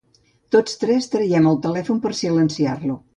Tots tres traiem el telèfon per silenciar-lo.